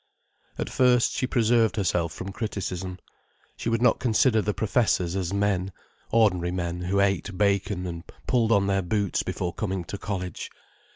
At first, she preserved herself from criticism. She would not consider the professors as men, ordinary men who ate bacon, and pulled on their boots before coming to college.